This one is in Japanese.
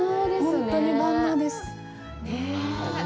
本当に万能です。